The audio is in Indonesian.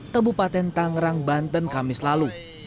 kabupaten tangerang banten kamis lalu